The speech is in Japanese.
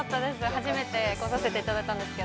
初めて来させていただいたんですけど。